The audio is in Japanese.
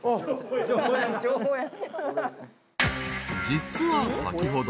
［実は先ほど］